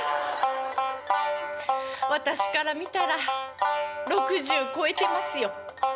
私から見たら６０越えてますよ。